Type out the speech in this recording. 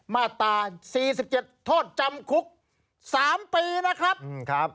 มาตรา๔๗โทษจำคุก๓ปีนะครับ